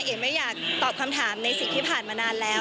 เอ๋ไม่อยากตอบคำถามในสิ่งที่ผ่านมานานแล้ว